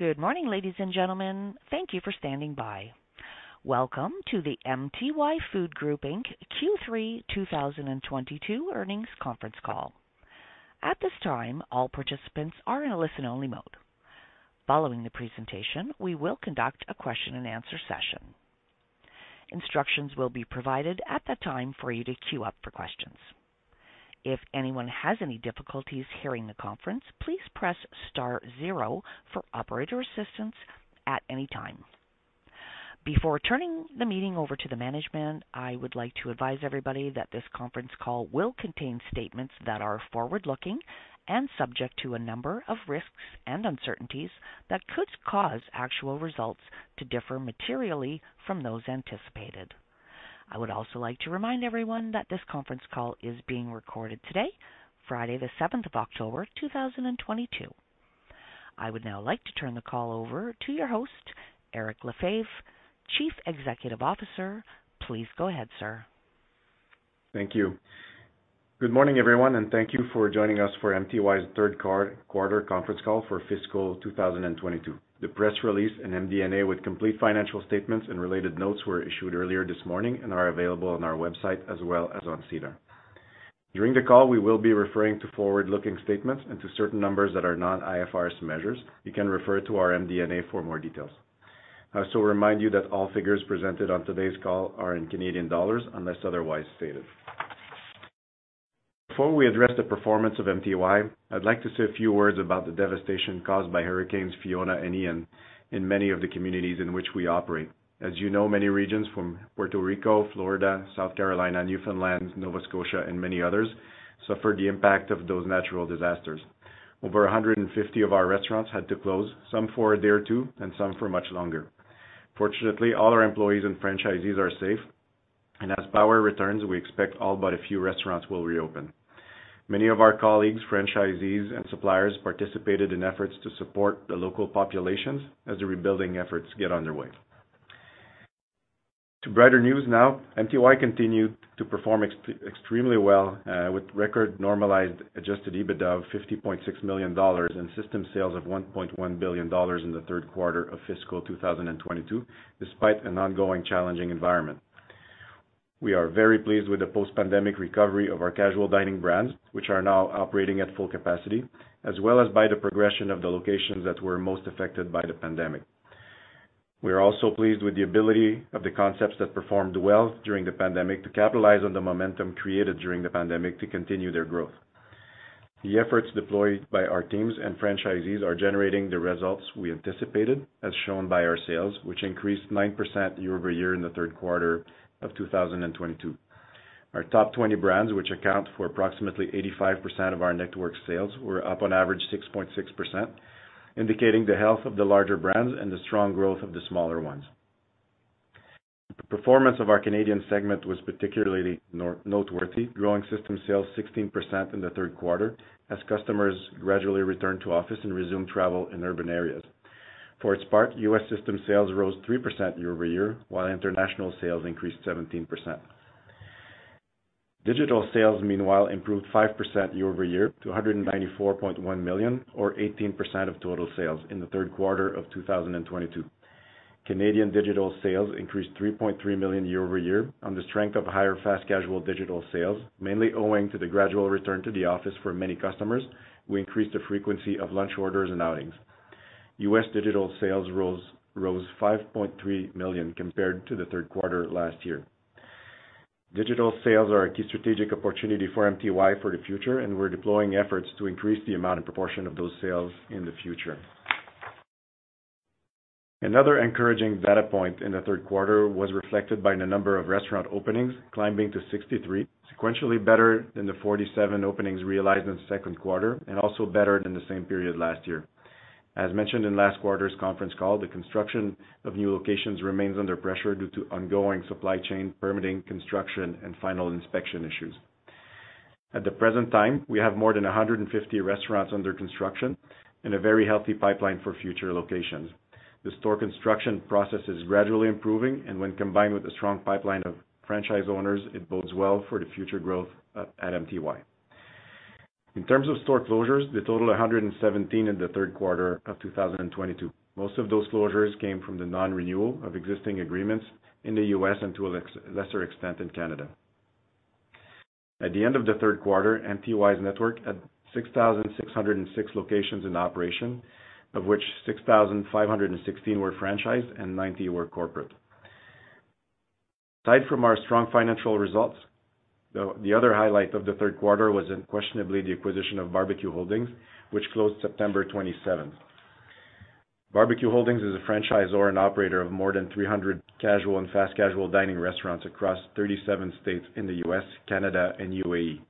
Good morning, ladies and gentlemen. Thank you for standing by. Welcome to the MTY Food Group Inc Q3 2022 earnings conference call. At this time, all participants are in a listen-only mode. Following the presentation, we will conduct a question and answer session. Instructions will be provided at that time for you to queue up for questions. If anyone has any difficulties hearing the conference, please press star zero for operator assistance at any time. Before turning the meeting over to the management, I would like to advise everybody that this conference call will contain statements that are forward-looking and subject to a number of risks and uncertainties that could cause actual results to differ materially from those anticipated. I would also like to remind everyone that this conference call is being recorded today, Friday, 7th October, 2022. I would now like to turn the call over to your host, Eric Lefebvre, Chief Executive Officer. Please go ahead, sir. Thank you. Good morning, everyone, and thank you for joining us for MTY's third quarter conference call for fiscal 2022. The press release and MD&A with complete financial statements and related notes were issued earlier this morning and are available on our website as well as on SEDAR. During the call, we will be referring to forward-looking statements and to certain numbers that are non-IFRS measures. You can refer to our MD&A for more details. I also remind you that all figures presented on today's call are in Canadian dollars unless otherwise stated. Before we address the performance of MTY, I'd like to say a few words about the devastation caused by hurricanes Fiona and Ian in many of the communities in which we operate. As you know, many regions from Puerto Rico, Florida, South Carolina, Newfoundland, Nova Scotia, and many others suffered the impact of those natural disasters. Over 150 of our restaurants had to close, some for a day or two, and some for much longer. Fortunately, all our employees and franchisees are safe, and as power returns, we expect all but a few restaurants will reopen. Many of our colleagues, franchisees, and suppliers participated in efforts to support the local populations as the rebuilding efforts get underway. To brighter news now, MTY continued to perform extremely well with record normalized adjusted EBITDA of 50.6 million dollars and system sales of 1.1 billion dollars in the third quarter of fiscal 2022, despite an ongoing challenging environment. We are very pleased with the post-pandemic recovery of our casual dining brands, which are now operating at full capacity, as well as by the progression of the locations that were most affected by the pandemic. We are also pleased with the ability of the concepts that performed well during the pandemic to capitalize on the momentum created during the pandemic to continue their growth. The efforts deployed by our teams and franchisees are generating the results we anticipated, as shown by our sales, which increased 9% year over year in the third quarter of 2022. Our top 20 brands, which account for approximately 85% of our network sales, were up on average 6.6%, indicating the health of the larger brands and the strong growth of the smaller ones. The performance of our Canadian segment was particularly noteworthy, growing system sales 16% in the third quarter as customers gradually returned to office and resumed travel in urban areas. For its part, U.S. system sales rose 3% year-over-year, while international sales increased 17%. Digital sales, meanwhile, improved 5% year-over-year to 194.1 million or 18% of total sales in the third quarter of 2022. Canadian digital sales increased 3.3 million year-over-year on the strength of higher fast casual digital sales, mainly owing to the gradual return to the office for many customers who increased the frequency of lunch orders and outings. U.S. digital sales rose 5.3 million compared to the third quarter last year. Digital sales are a key strategic opportunity for MTY for the future, and we're deploying efforts to increase the amount and proportion of those sales in the future. Another encouraging data point in the third quarter was reflected by the number of restaurant openings climbing to 63, sequentially better than the 47 openings realized in the second quarter and also better than the same period last year. As mentioned in last quarter's conference call, the construction of new locations remains under pressure due to ongoing supply chain permitting, construction, and final inspection issues. At the present time, we have more than 150 restaurants under construction and a very healthy pipeline for future locations. The store construction process is gradually improving, and when combined with a strong pipeline of franchise owners, it bodes well for the future growth at MTY. In terms of store closures, they total 117 in the third quarter of 2022. Most of those closures came from the non-renewal of existing agreements in the US and to a lesser extent in Canada. At the end of the third quarter, MTY's network at 6,606 locations in operation, of which 6,516 were franchised and 90 were corporate. Aside from our strong financial results, the other highlight of the third quarter was unquestionably the acquisition of BBQ Holdings, which closed September 27th. BBQ Holdings is a franchisor and operator of more than 300 casual and fast casual dining restaurants across 37 states in the U.S., Canada, and UAE.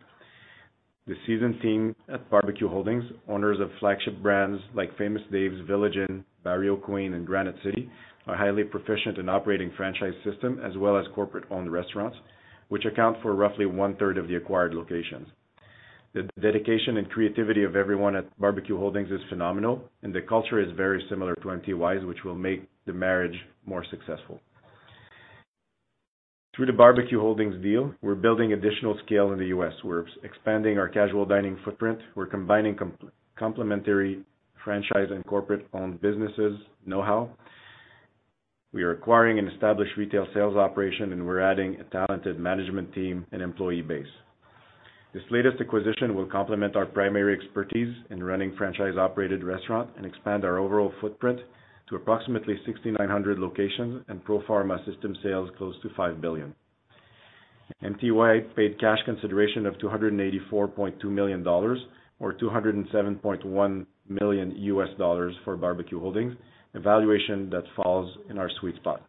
The seasoned team at BBQ Holdings, owners of flagship brands like Famous Dave's, Village Inn, Barrio Queen, and Granite City, are highly proficient in operating franchise system as well as corporate-owned restaurants, which account for roughly one-third of the acquired locations. The dedication and creativity of everyone at BBQ Holdings is phenomenal, and the culture is very similar to MTY's, which will make the marriage more successful. Through the BBQ Holdings deal, we're building additional scale in the U.S. We're expanding our casual dining footprint. We're combining complementary franchise and corporate-owned businesses' know-how. We are acquiring an established retail sales operation, and we're adding a talented management team and employee base. This latest acquisition will complement our primary expertise in running franchise-operated restaurant and expand our overall footprint to approximately 6,900 locations and pro forma system sales close to 5 billion. MTY paid cash consideration of 284.2 million dollars or $207.1 million for BBQ Holdings, a valuation that falls in our sweet spot.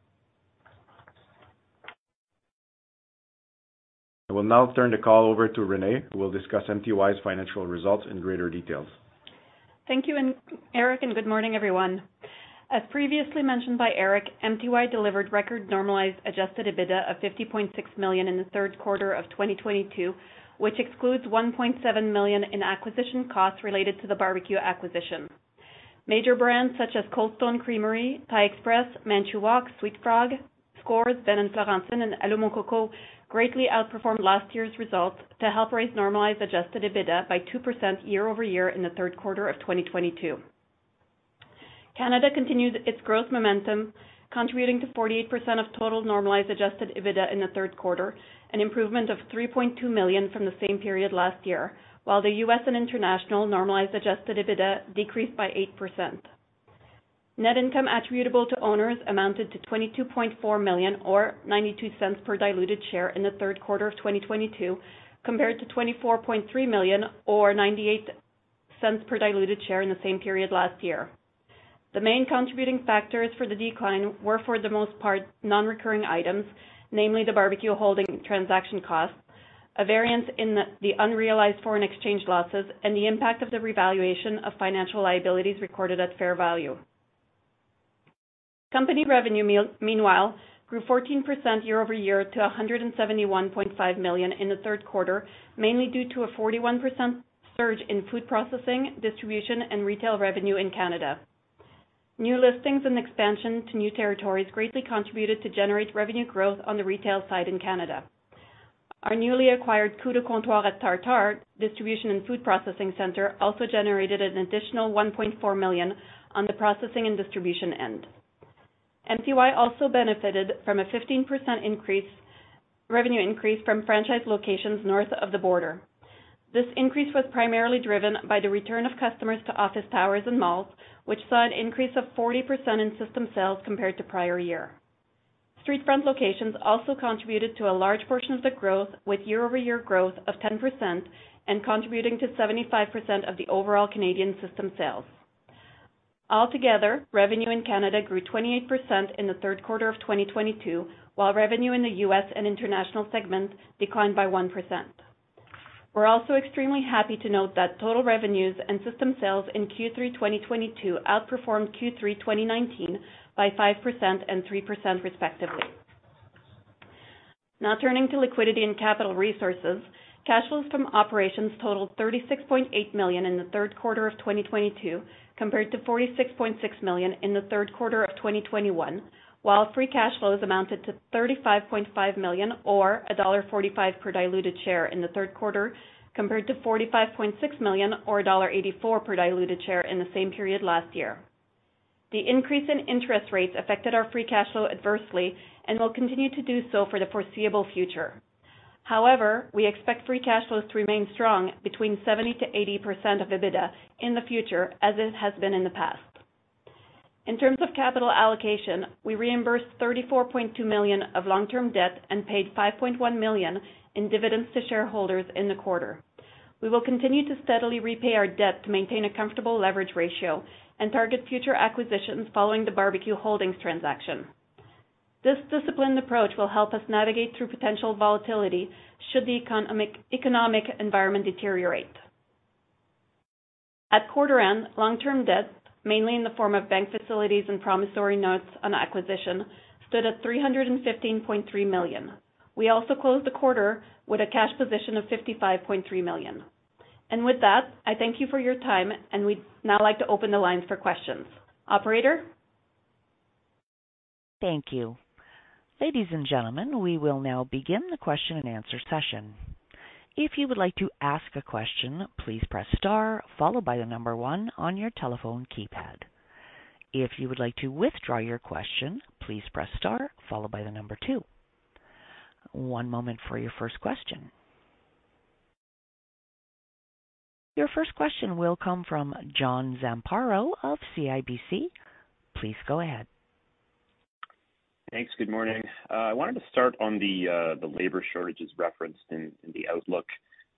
I will now turn the call over to Renee, who will discuss MTY's financial results in greater details. Thank you, Eric, and good morning, everyone. As previously mentioned by Eric, MTY delivered record normalized adjusted EBITDA of 50.6 million in the third quarter of 2022, which excludes 1.7 million in acquisition costs related to the BBQ acquisition. Major brands such as Cold Stone Creamery, Thaï Express, Manchu WOK, sweetFrog, Scores, Ben & Florentine, and Allô Mon Coco greatly outperformed last year's results to help raise normalized adjusted EBITDA by 2% year-over-year in the third quarter of 2022. Canada continued its growth momentum, contributing to 48% of total normalized adjusted EBITDA in the third quarter, an improvement of 3.2 million from the same period last year. While the U.S. and international normalized adjusted EBITDA decreased by 8%. Net income attributable to owners amounted to 22.4 million or 0.92 per diluted share in the third quarter of 2022, compared to 24.3 million or 0.98 per diluted share in the same period last year. The main contributing factors for the decline were, for the most part, non-recurring items, namely the BBQ Holdings transaction costs, a variance in the unrealized foreign exchange losses, and the impact of the revaluation of financial liabilities recorded at fair value. Company revenue, meanwhile, grew 14% year-over-year to 171.5 million in the third quarter, mainly due to a 41% surge in food processing, distribution, and retail revenue in Canada. New listings and expansion to new territories greatly contributed to generate revenue growth on the retail side in Canada. Our newly acquired Coup de Comptoir et Tartare distribution and food processing center also generated an additional 1.4 million on the processing and distribution end. MTY also benefited from a 15% increase, revenue increase from franchise locations north of the border. This increase was primarily driven by the return of customers to office towers and malls, which saw an increase of 40% in system sales compared to prior year. Streetfront locations also contributed to a large portion of the growth with year-over-year growth of 10% and contributing to 75% of the overall Canadian system sales. Altogether, revenue in Canada grew 28% in the third quarter of 2022, while revenue in the U.S. and international segments declined by 1%. We're also extremely happy to note that total revenues and system sales in Q3 2022 outperformed Q3 2019 by 5% and 3%, respectively. Now turning to liquidity and capital resources. Cash flows from operations totaled 36.8 million in the third quarter of 2022, compared to 46.6 million in the third quarter of 2021, while free cash flows amounted to 35.5 million or dollar 1.45 per diluted share in the third quarter, compared to 45.6 million or dollar 1.84 per diluted share in the same period last year. The increase in interest rates affected our free cash flow adversely and will continue to do so for the foreseeable future. However, we expect free cash flows to remain strong between 70%-80% of EBITDA in the future as it has been in the past. In terms of capital allocation, we reimbursed 34.2 million of long-term debt and paid 5.1 million in dividends to shareholders in the quarter. We will continue to steadily repay our debt to maintain a comfortable leverage ratio and target future acquisitions following the BBQ Holdings transaction. This disciplined approach will help us navigate through potential volatility should the economic environment deteriorate. At quarter end, long-term debt, mainly in the form of bank facilities and promissory notes on acquisition, stood at 315.3 million. We also closed the quarter with a cash position of 55.3 million. With that, I thank you for your time, and we'd now like to open the lines for questions. Operator? Thank you. Ladies and gentlemen, we will now begin the question-and-answer session. If you would like to ask a question, please press star followed by the number one on your telephone keypad. If you would like to withdraw your question, please press star followed by the number two. One moment for your first question. Your first question will come from John Zamparo of CIBC. Please go ahead. Thanks. Good morning. I wanted to start on the labor shortages referenced in the outlook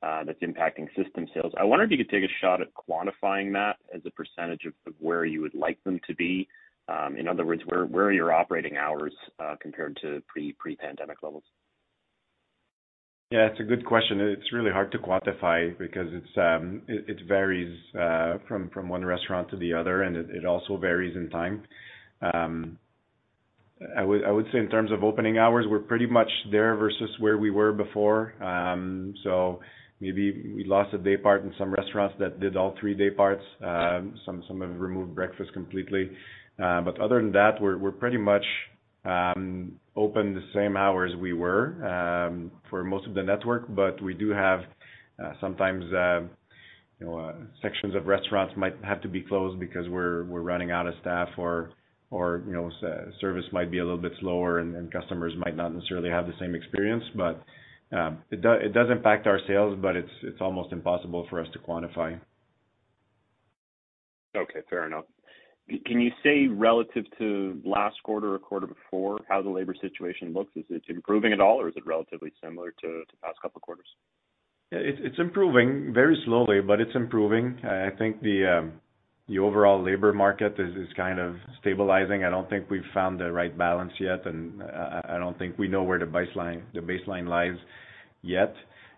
that's impacting system sales. I wondered if you could take a shot at quantifying that as a percentage of where you would like them to be. In other words, where are your operating hours compared to pre-pandemic levels? Yeah, it's a good question, and it's really hard to quantify because it varies from one restaurant to the other, and it also varies in time. I would say in terms of opening hours, we're pretty much there versus where we were before. Maybe we lost a daypart in some restaurants that did all three dayparts. Some have removed breakfast completely. Other than that, we're pretty much open the same hours we were for most of the network, but we do have sometimes you know sections of restaurants might have to be closed because we're running out of staff or you know service might be a little bit slower and customers might not necessarily have the same experience. It does impact our sales, but it's almost impossible for us to quantify. Okay. Fair enough. Can you say relative to last quarter or quarter before, how the labor situation looks? Is it improving at all or is it relatively similar to the past couple of quarters? Yeah, it's improving very slowly, but it's improving. I think the overall labor market is kind of stabilizing. I don't think we've found the right balance yet, and I don't think we know where the baseline lies yet.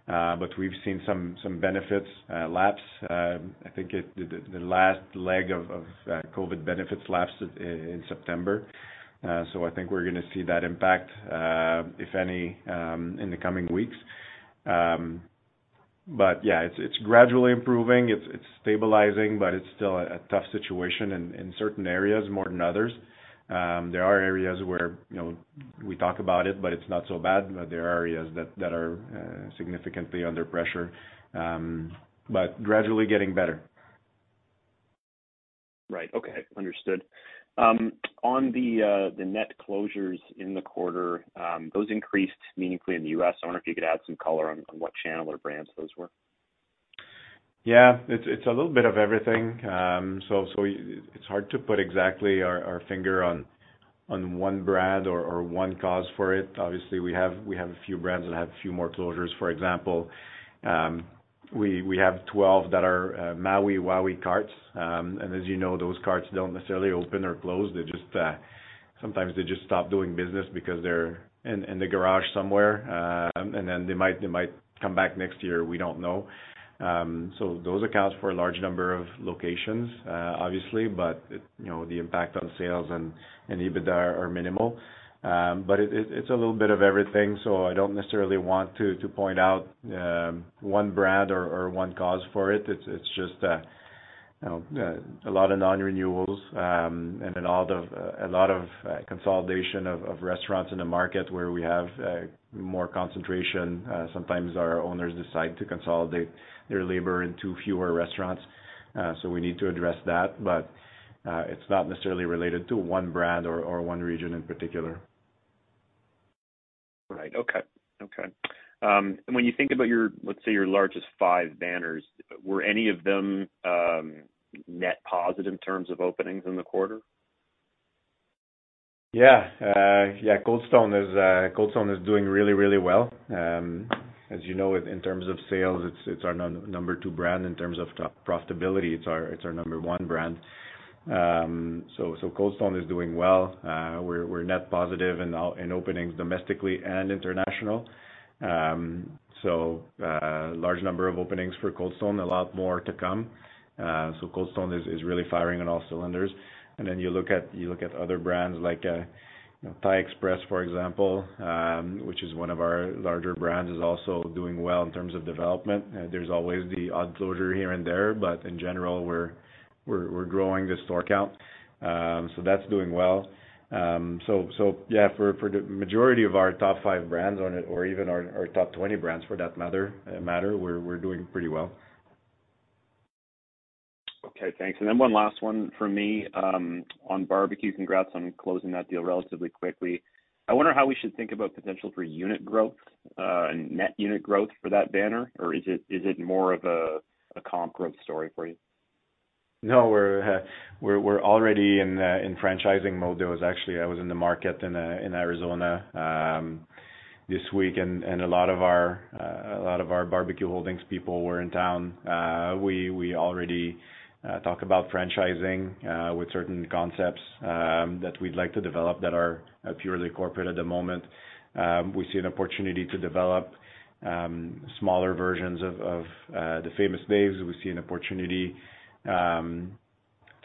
But we've seen some benefits lapse. I think the last leg of COVID benefits lapsed in September. So I think we're gonna see that impact, if any, in the coming weeks. But yeah, it's gradually improving. It's stabilizing, but it's still a tough situation in certain areas more than others. There are areas where, you know, we talk about it, but it's not so bad. There are areas that are significantly under pressure, but gradually getting better. Right. Okay. Understood. On the net closures in the quarter, those increased meaningfully in the US. I wonder if you could add some color on what channel or brands those were. Yeah. It's a little bit of everything. It's hard to put exactly our finger on one brand or one cause for it. Obviously, we have a few brands that have a few more closures. For example, we have 12 that are Maui Wowi carts. As you know, those carts don't necessarily open or close. They just sometimes they just stop doing business because they're in the garage somewhere. Then they might come back next year. We don't know. Those account for a large number of locations, obviously, but you know, the impact on sales and EBITDA are minimal. It's a little bit of everything, so I don't necessarily want to point out one brand or one cause for it. It's just, you know, a lot of non-renewals and then a lot of consolidation of restaurants in the market where we have more concentration. Sometimes our owners decide to consolidate their labor into fewer restaurants. We need to address that. It's not necessarily related to one brand or one region in particular. When you think about your, let's say, your largest five banners, were any of them net positive in terms of openings in the quarter? Yeah. Yeah, Cold Stone is doing really, really well. As you know, in terms of sales, it's our number two brand. In terms of profitability, it's our number one brand. So Cold Stone is doing well. We're net positive in openings domestically and international. Large number of openings for Cold Stone, a lot more to come. Cold Stone is really firing on all cylinders. You look at other brands like Thaï Express, for example, which is one of our larger brands, is also doing well in terms of development. There's always the odd closure here and there, but in general, we're growing the store count. That's doing well. Yeah, for the majority of our top five brands or even our top 20 brands for that matter, we're doing pretty well. Okay, thanks. One last one from me on BBQ. Congrats on closing that deal relatively quickly. I wonder how we should think about potential for unit growth, net unit growth for that banner? Or is it more of a comp growth story for you? No, we're already in franchising mode. There was actually I was in the market in Arizona this week, and a lot of our BBQ Holdings people were in town. We already talk about franchising with certain concepts that we'd like to develop that are purely corporate at the moment. We see an opportunity to develop smaller versions of the Famous Dave's. We see an opportunity to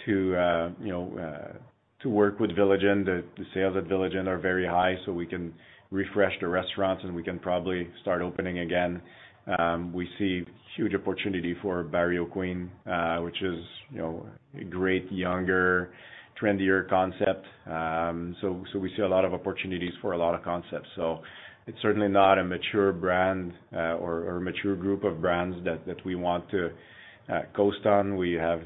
you know to work with Village Inn. The sales at Village Inn are very high, so we can refresh the restaurants and we can probably start opening again. We see huge opportunity for Barrio Queen, which is you know a great younger, trendier concept. We see a lot of opportunities for a lot of concepts. It's certainly not a mature brand, or a mature group of brands that we want to coast on. We have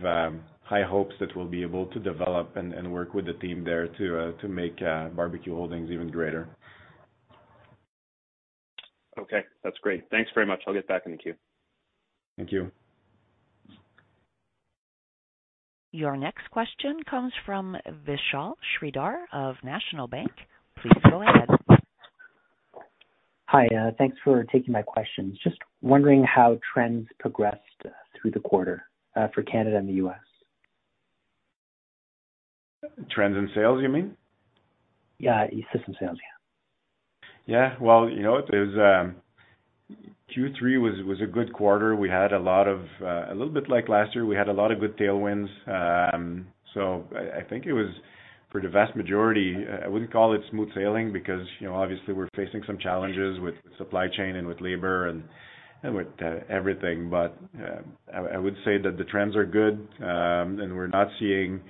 high hopes that we'll be able to develop and work with the team there to make BBQ Holdings even greater. Okay. That's great. Thanks very much. I'll get back in the queue. Thank you. Your next question comes from Vishal Shreedhar of National Bank. Please go ahead. Hi, thanks for taking my questions. Just wondering how trends progressed through the quarter, for Canada and the U.S.? Trends in sales, you mean? Yeah, system sales, yeah. Yeah. Well, you know, Q3 was a good quarter. We had a lot of a little bit like last year, we had a lot of good tailwinds. I think it was for the vast majority I wouldn't call it smooth sailing because, you know, obviously we're facing some challenges with supply chain and with labor and with everything. I would say that the trends are good and we're not seeing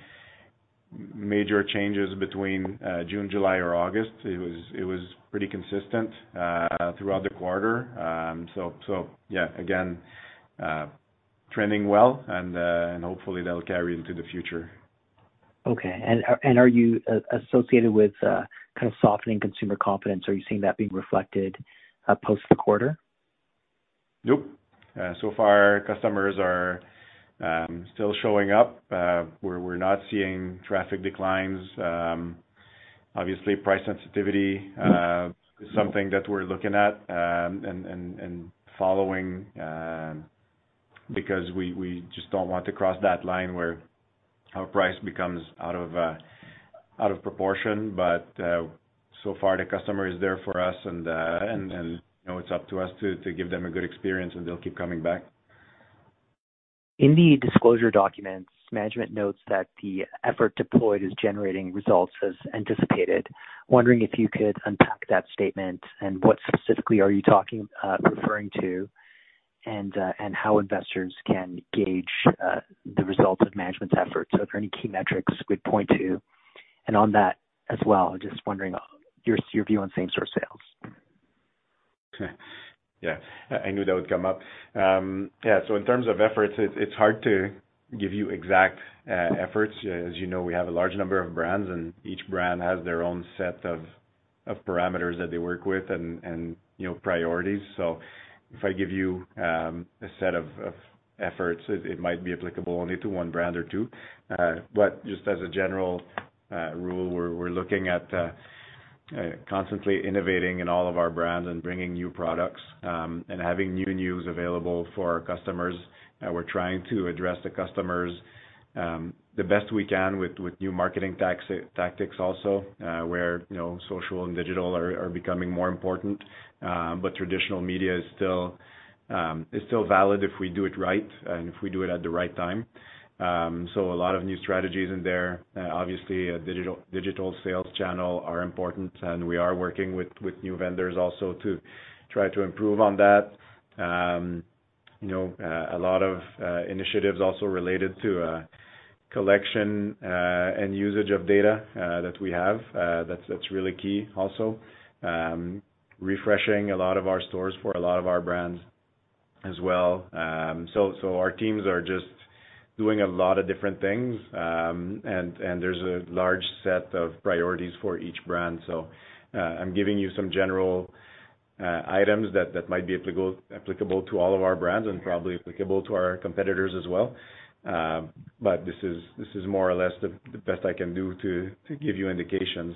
major changes between June, July, or August. It was pretty consistent throughout the quarter. Yeah, again, trending well and hopefully that'll carry into the future. Okay. Are you associated with kind of softening consumer confidence? Are you seeing that being reflected post the quarter? Nope. So far customers are still showing up. We're not seeing traffic declines. Obviously price sensitivity is something that we're looking at and following, because we just don't want to cross that line where our price becomes out of proportion. So far the customer is there for us and you know, it's up to us to give them a good experience, and they'll keep coming back. In the disclosure documents, management notes that the effort deployed is generating results as anticipated. Wondering if you could unpack that statement and what specifically are you referring to, and how investors can gauge the results of management's efforts. If there are any key metrics we'd point to. On that as well, just wondering your view on same store sales. Yeah, I knew that would come up. In terms of efforts, it's hard to give you exact efforts. As you know, we have a large number of brands, and each brand has their own set of parameters that they work with and, you know, priorities. If I give you a set of efforts, it might be applicable only to one brand or two. Just as a general rule, we're looking at constantly innovating in all of our brands and bringing new products and having new news available for our customers. We're trying to address the customers the best we can with new marketing tactics also, where, you know, social and digital are becoming more important. Traditional media is still valid if we do it right and if we do it at the right time. A lot of new strategies in there. Obviously a digital sales channel are important, and we are working with new vendors also to try to improve on that. You know, a lot of initiatives also related to collection and usage of data that we have. That's really key also. Refreshing a lot of our stores for a lot of our brands as well. Our teams are just doing a lot of different things. There's a large set of priorities for each brand. I'm giving you some general items that might be applicable to all of our brands and probably applicable to our competitors as well. This is more or less the best I can do to give you indications.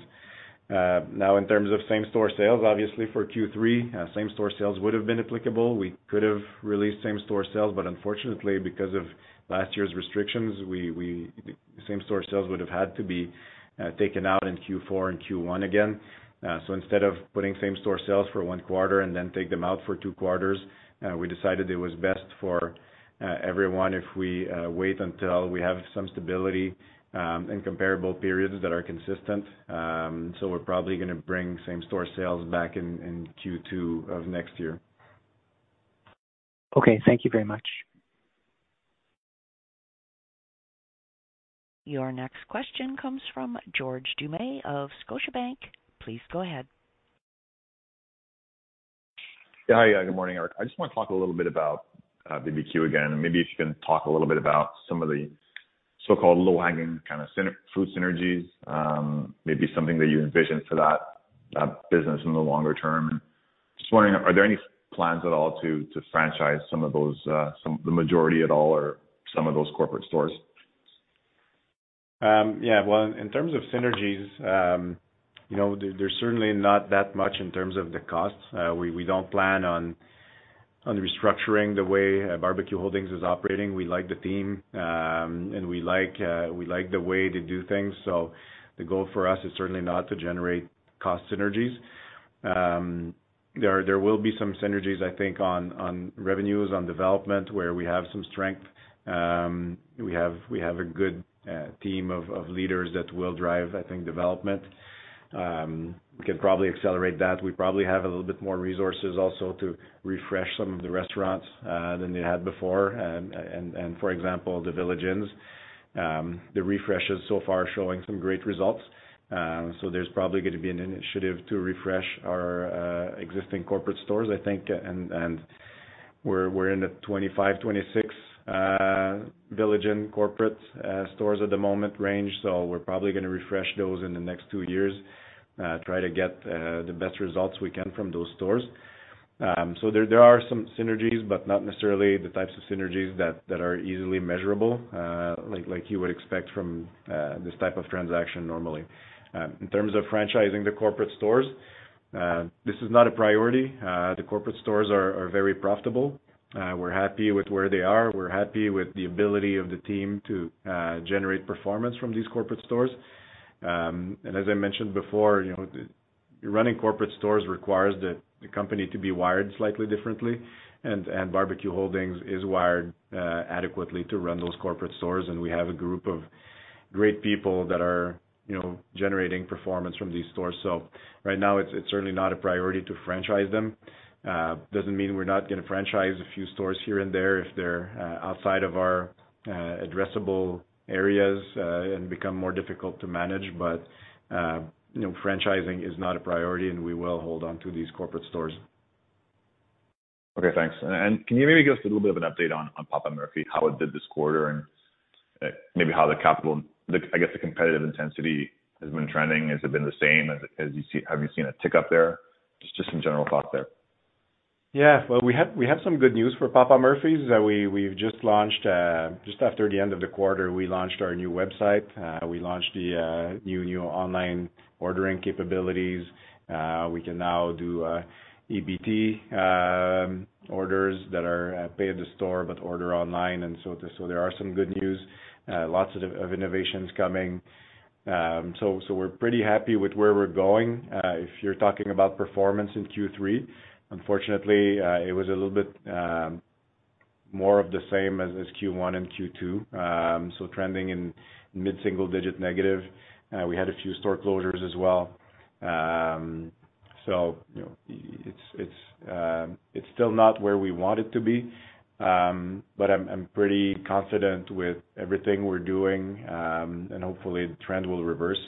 Now in terms of same store sales, obviously for Q3, same store sales would have been applicable. We could have released same store sales, but unfortunately, because of last year's restrictions, same store sales would have had to be taken out in Q4 and Q1 again. Instead of putting same store sales for one quarter and then take them out for two quarters, we decided it was best for everyone if we wait until we have some stability and comparable periods that are consistent. We're probably gonna bring same store sales back in Q2 of next year. Okay. Thank you very much. Your next question comes from George Doumet of Scotiabank. Please go ahead. Yeah. Hi. Good morning, Eric. I just wanna talk a little bit about BBQ again, and maybe if you can talk a little bit about some of the so-called low-hanging kind of synergies, maybe something that you envision for that business in the longer term. Just wondering, are there any plans at all to franchise some of those, the majority at all or some of those corporate stores? Yeah. Well, in terms of synergies, you know, there's certainly not that much in terms of the costs. We don't plan on restructuring the way BBQ Holdings is operating. We like the team, and we like the way they do things. The goal for us is certainly not to generate cost synergies. There will be some synergies, I think, on revenues, on development, where we have some strength. We have a good team of leaders that will drive, I think, development. We can probably accelerate that. We probably have a little bit more resources also to refresh some of the restaurants than they had before. For example, the Village Inns, the refreshes so far are showing some great results. There's probably gonna be an initiative to refresh our existing corporate stores, I think. We're in the 25-26 Village Inn corporate stores range at the moment, so we're probably gonna refresh those in the next two years. Try to get the best results we can from those stores. There are some synergies, but not necessarily the types of synergies that are easily measurable, like you would expect from this type of transaction normally. In terms of franchising the corporate stores, this is not a priority. The corporate stores are very profitable. We're happy with where they are. We're happy with the ability of the team to generate performance from these corporate stores. As I mentioned before, you know, running corporate stores requires the company to be wired slightly differently. BBQ Holdings is wired adequately to run those corporate stores, and we have a group of great people that are, you know, generating performance from these stores. Right now it's certainly not a priority to franchise them. Doesn't mean we're not gonna franchise a few stores here and there if they're outside of our addressable areas and become more difficult to manage. You know, franchising is not a priority, and we will hold on to these corporate stores. Okay, thanks. Can you maybe give us a little bit of an update on Papa Murphy's, how it did this quarter and maybe how the competitive intensity has been trending. Has it been the same? Have you seen a tick up there? Just some general thought there. Yeah. Well, we have some good news for Papa Murphy's that we've just launched just after the end of the quarter. We launched our new website. We launched the new online ordering capabilities. We can now do EBT orders that are pay at the store, but order online. There are some good news, lots of innovations coming. We're pretty happy with where we're going. If you're talking about performance in Q3, unfortunately, it was a little bit more of the same as Q1 and Q2. Trending in mid-single digit negative. We had a few store closures as well. You know, it's still not where we want it to be. I'm pretty confident with everything we're doing, and hopefully the trend will reverse.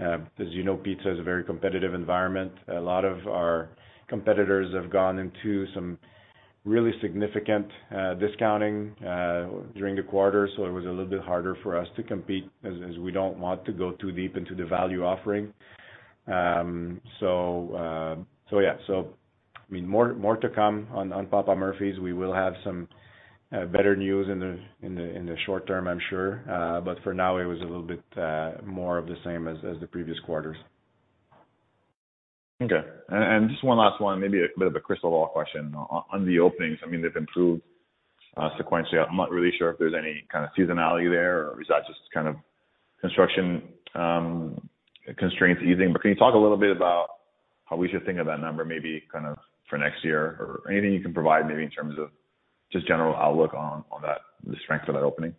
As you know, pizza is a very competitive environment. A lot of our competitors have gone into some really significant discounting during the quarter, so it was a little bit harder for us to compete as we don't want to go too deep into the value offering. Yeah. I mean, more to come on Papa Murphy's. We will have some better news in the short term, I'm sure. For now, it was a little bit more of the same as the previous quarters. Okay. Just one last one, maybe a bit of a crystal ball question on the openings. I mean, they've improved sequentially. I'm not really sure if there's any kind of seasonality there, or is that just kind of construction constraints easing. Can you talk a little bit about how we should think of that number, maybe kind of for next year or anything you can provide maybe in terms of just general outlook on that, the strength of that opening?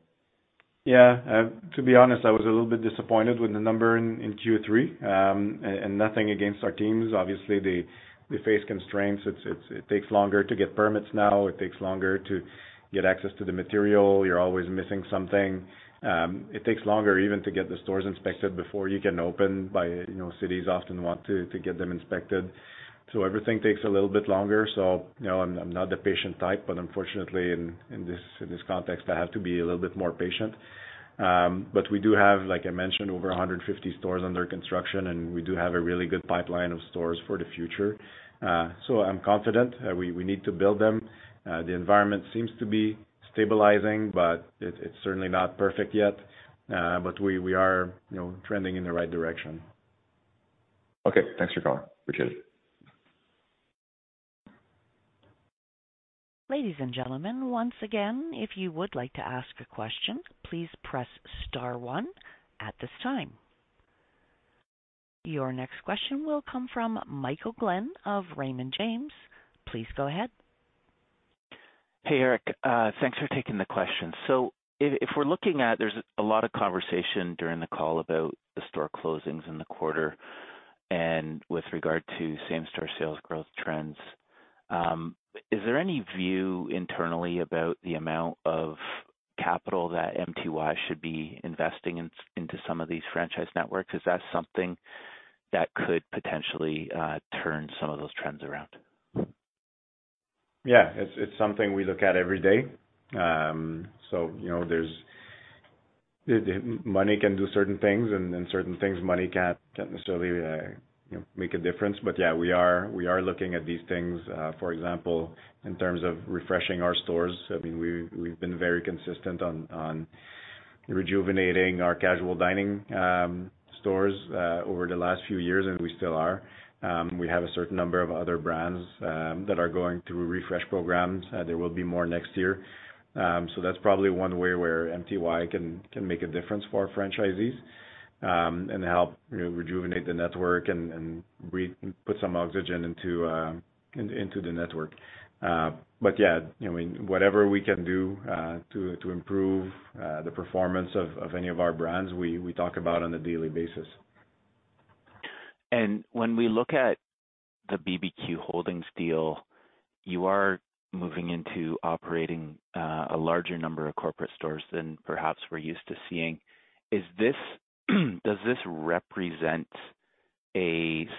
Yeah. To be honest, I was a little bit disappointed with the number in Q3. Nothing against our teams. Obviously, they face constraints. It takes longer to get permits now. It takes longer to get access to the material. You're always missing something. It takes longer even to get the stores inspected before you can open by, you know, cities often want to get them inspected. Everything takes a little bit longer. You know, I'm not the patient type, but unfortunately in this context, I have to be a little bit more patient. We do have, like I mentioned, over 150 stores under construction, and we do have a really good pipeline of stores for the future. I'm confident, we need to build them. The environment seems to be stabilizing, but it's certainly not perfect yet. We are, you know, trending in the right direction. Okay, thanks for calling. Appreciate it. Ladies and gentlemen, once again, if you would like to ask a question, please press star one at this time. Your next question will come from Michael Glen of Raymond James. Please go ahead. Hey, Eric. Thanks for taking the question. There's a lot of conversation during the call about the store closings in the quarter and with regard to same-store sales growth trends. Is there any view internally about the amount of capital that MTY should be investing in, into some of these franchise networks? Is that something that could potentially turn some of those trends around? It's something we look at every day. You know, there's money can do certain things and then certain things money can't necessarily, you know, make a difference. We are looking at these things, for example, in terms of refreshing our stores. I mean, we've been very consistent on rejuvenating our casual dining stores over the last few years, and we still are. We have a certain number of other brands that are going through refresh programs. There will be more next year. That's probably one way where MTY can make a difference for our franchisees, and help, you know, rejuvenate the network and put some oxygen into the network. Yeah, I mean, whatever we can do to improve the performance of any of our brands, we talk about on a daily basis. When we look at the BBQ Holdings deal, you are moving into operating a larger number of corporate stores than perhaps we're used to seeing. Does this represent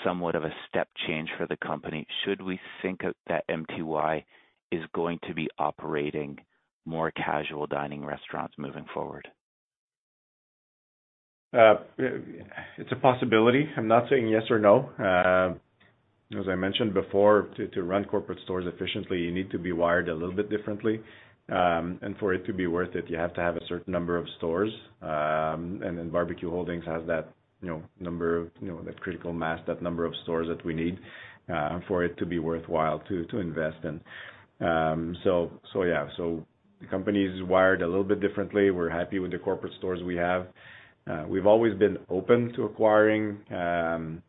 somewhat of a step change for the company? Should we think of that MTY is going to be operating more casual dining restaurants moving forward? It's a possibility. I'm not saying yes or no. As I mentioned before, to run corporate stores efficiently, you need to be wired a little bit differently. For it to be worth it, you have to have a certain number of stores. BBQ Holdings has that, you know, number, you know, that critical mass, that number of stores that we need, for it to be worthwhile to invest in. Yeah. The company is wired a little bit differently. We're happy with the corporate stores we have. We've always been open to acquiring, you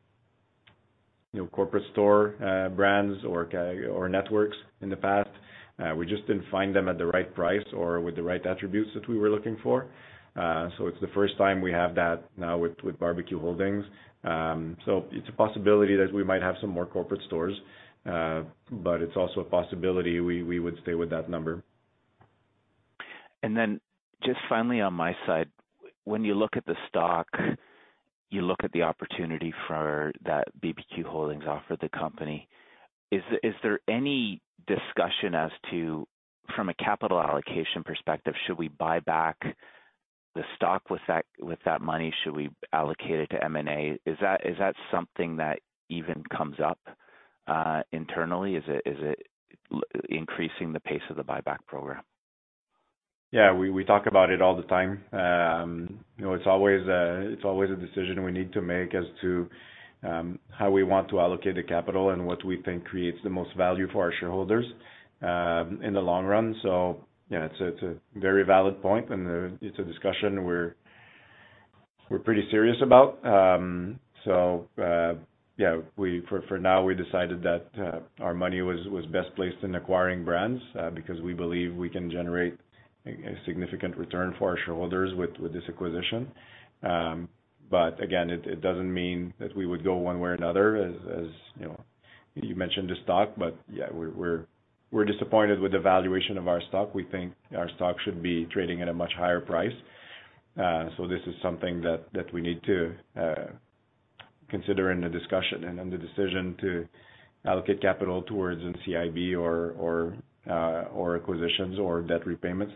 know, corporate store brands or networks in the past. We just didn't find them at the right price or with the right attributes that we were looking for. It's the first time we have that now with BBQ Holdings. It's a possibility that we might have some more corporate stores, but it's also a possibility we would stay with that number. Just finally on my side, when you look at the stock, you look at the opportunity for that BBQ Holdings offer the company. Is there any discussion as to, from a capital allocation perspective, should we buy back the stock with that money? Should we allocate it to M&A? Is that something that even comes up internally? Is it increasing the pace of the buyback program? Yeah, we talk about it all the time. You know, it's always a decision we need to make as to how we want to allocate the capital and what we think creates the most value for our shareholders in the long run. Yeah, it's a very valid point, and it's a discussion we're pretty serious about. Yeah, for now, we decided that our money was best placed in acquiring brands because we believe we can generate a significant return for our shareholders with this acquisition. Again, it doesn't mean that we would go one way or another as you know you mentioned the stock. Yeah, we're disappointed with the valuation of our stock. We think our stock should be trading at a much higher price. This is something that we need to consider in the discussion and in the decision to allocate capital towards NCIB or acquisitions or debt repayments.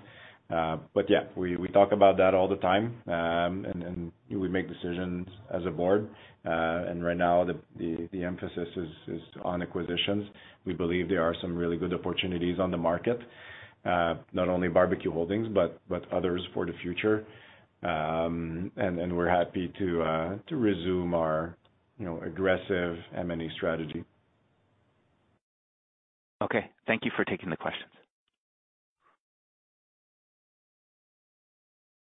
Yeah, we talk about that all the time, and we make decisions as a board. Right now the emphasis is on acquisitions. We believe there are some really good opportunities on the market, not only BBQ Holdings, but others for the future. We're happy to resume our, you know, aggressive M&A strategy. Okay, thank you for taking the questions.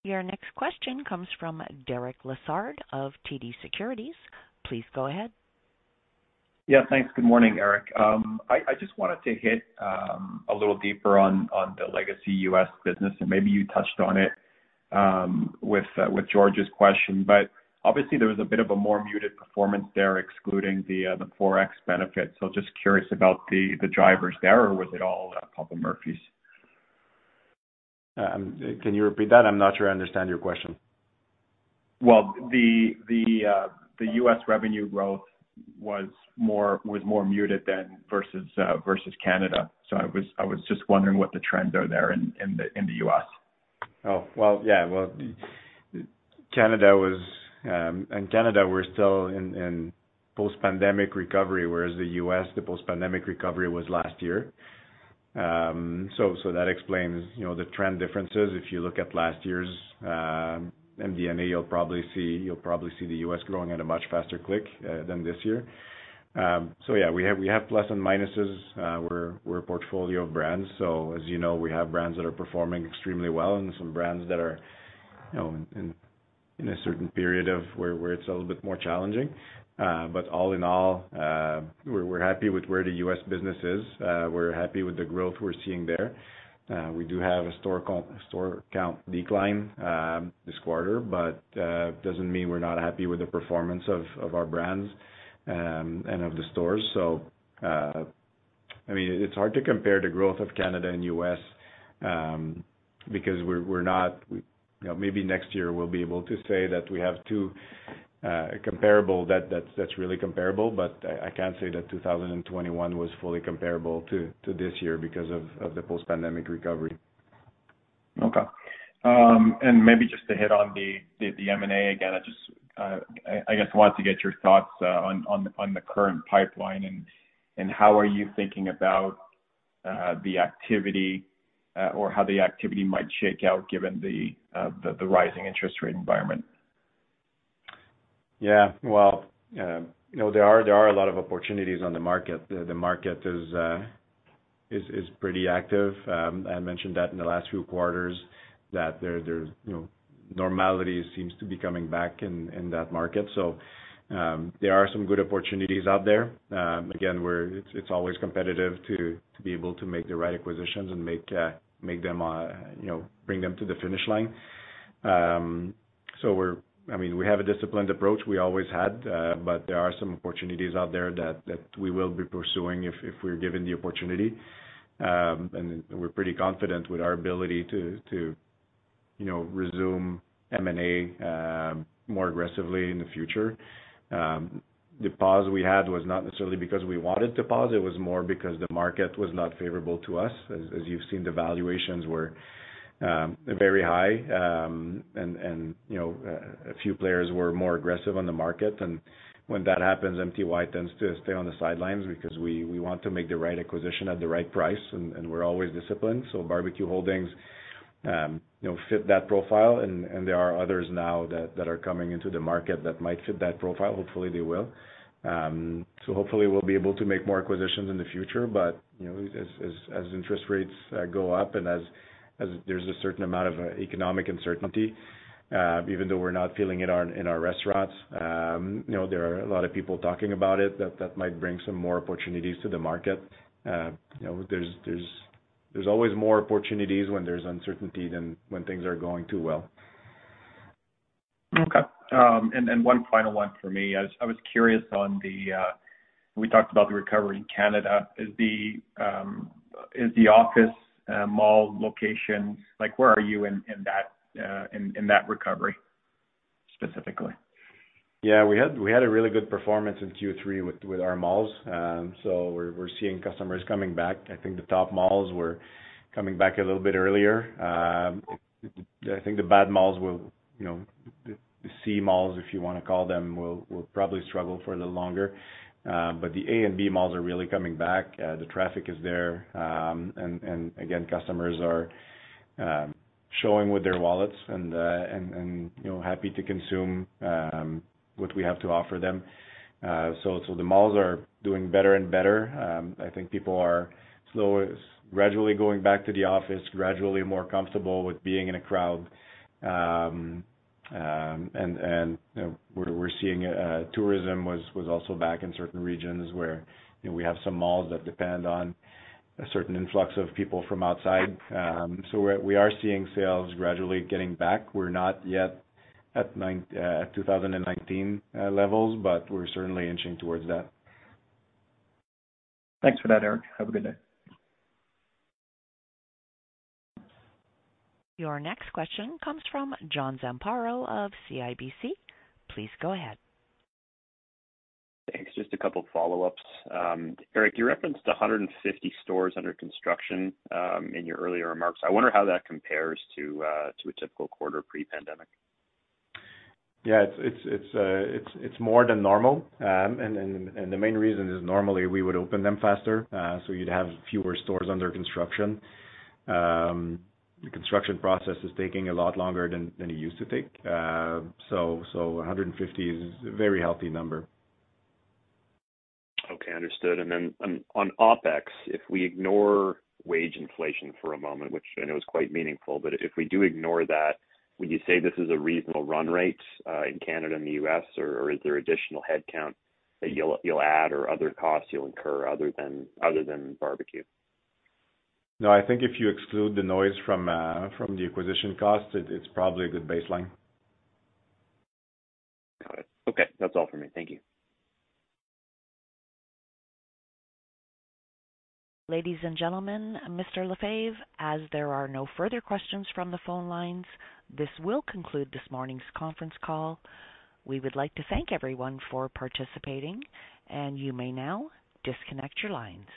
Your next question comes from Derek Lessard of TD Securities. Please go ahead. Yeah, thanks. Good morning, Eric. I just wanted to hit a little deeper on the legacy U.S. business, and maybe you touched on it with George's question, but obviously there was a bit of a more muted performance there, excluding the forex benefit. Just curious about the drivers there, or was it all Papa Murphy's? Can you repeat that? I'm not sure I understand your question. Well, the US revenue growth was more muted than versus Canada. I was just wondering what the trends are there in the US. Well, yeah. In Canada we're still in post-pandemic recovery, whereas the U.S., the post-pandemic recovery was last year. That explains, you know, the trend differences. If you look at last year's MD&A, you'll probably see the U.S. growing at a much faster clip than this year. Yeah, we have plus and minuses. We're a portfolio of brands. As you know, we have brands that are performing extremely well and some brands that are, you know, in a certain period where it's a little bit more challenging. All in all, we're happy with where the U.S. business is. We're happy with the growth we're seeing there. We do have a store count decline this quarter, but doesn't mean we're not happy with the performance of our brands and of the stores. I mean, it's hard to compare the growth of Canada and U.S. because we're not, you know, maybe next year we'll be able to say that we have two comparable that's really comparable. I can't say that 2021 was fully comparable to this year because of the post-pandemic recovery. Okay. Maybe just to hit on the M&A again, I just, I guess, wanted to get your thoughts on the current pipeline and how are you thinking about the activity or how the activity might shake out given the rising interest rate environment? Yeah. Well, you know, there are a lot of opportunities on the market. The market is pretty active. I mentioned that in the last few quarters that there you know normality seems to be coming back in that market. There are some good opportunities out there. Again, it's always competitive to be able to make the right acquisitions and make them you know bring them to the finish line. I mean, we have a disciplined approach we always had but there are some opportunities out there that we will be pursuing if we're given the opportunity. We're pretty confident with our ability to you know resume M&A more aggressively in the future. The pause we had was not necessarily because we wanted to pause, it was more because the market was not favorable to us. As you've seen, the valuations were very high. You know, a few players were more aggressive on the market. When that happens, MTY tends to stay on the sidelines because we want to make the right acquisition at the right price, and we're always disciplined. BBQ Holdings fit that profile and there are others now that are coming into the market that might fit that profile. Hopefully, they will. Hopefully, we'll be able to make more acquisitions in the future. You know, as interest rates go up and as there's a certain amount of economic uncertainty, even though we're not feeling it in our restaurants, you know, there are a lot of people talking about it that might bring some more opportunities to the market. You know, there's always more opportunities when there's uncertainty than when things are going too well. Okay. One final one for me. I was curious about the recovery in Canada we talked about. Is the office and mall location like where are you in that recovery specifically? Yeah. We had a really good performance in Q3 with our malls. We're seeing customers coming back. I think the top malls were coming back a little bit earlier. I think the bad malls will, you know, the C malls, if you wanna call them, will probably struggle for a little longer. The A and B malls are really coming back. The traffic is there. Again, customers are showing with their wallets and, you know, happy to consume what we have to offer them. The malls are doing better and better. I think people are slowly gradually going back to the office, gradually more comfortable with being in a crowd. We're seeing tourism was also back in certain regions where, you know, we have some malls that depend on a certain influx of people from outside. We are seeing sales gradually getting back. We're not yet at 2019 levels, but we're certainly inching towards that. Thanks for that, Eric. Have a good day. Your next question comes from John Zamparo of CIBC. Please go ahead. Thanks. Just a couple follow-ups. Eric, you referenced 150 stores under construction in your earlier remarks. I wonder how that compares to a typical quarter pre-pandemic. Yeah. It's more than normal. The main reason is normally we would open them faster, so you'd have fewer stores under construction. The construction process is taking a lot longer than it used to take. 150 is a very healthy number. Okay. Understood. On OpEx, if we ignore wage inflation for a moment, which I know is quite meaningful, but if we do ignore that, would you say this is a reasonable run rate in Canada and the U.S., or is there additional headcount that you'll add or other costs you'll incur other than BBQ Holdings? No, I think if you exclude the noise from the acquisition cost, it's probably a good baseline. Got it. Okay. That's all for me. Thank you. Ladies and gentlemen, Mr. Lefebvre, as there are no further questions from the phone lines, this will conclude this morning's conference call. We would like to thank everyone for participating, and you may now disconnect your lines.